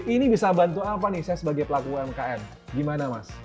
ini bisa bantu apa nih saya sebagai pelaku umkm gimana mas